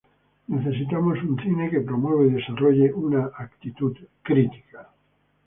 Necesitamos un cine que promueva y desarrolle una actitud crítica.